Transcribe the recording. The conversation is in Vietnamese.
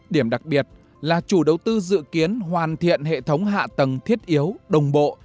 điểm đặc biệt là chủ đầu tư dự kiến hoàn thiện hệ thống hạ tầng thiết yếu đồng bộ